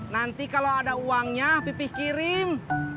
nanti kalau ada uangnya pipih kirim